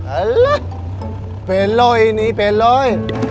alah beloy ini beloy